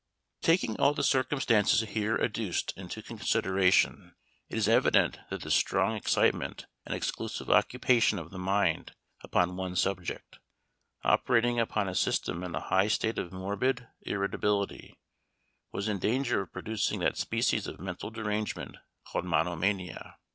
Taking all the circumstances here adduced into consideration, it is evident that this strong excitement and exclusive occupation of the mind upon one subject, operating upon a system in a high state of morbid irritability, was in danger of producing that species of mental derangement called monomania.